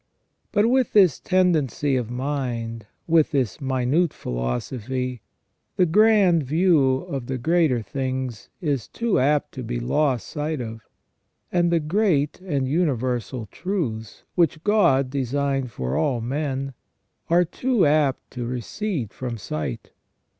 But with this tendency of mind, with this minute philosophy, the grand view of the greater things is too apt to be lost sight of, and the great and universal truths, which God designed for all men, are too apt to recede from sight.